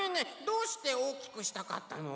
どうしておおきくしたかったの？